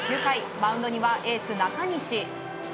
マウンドはエース中西。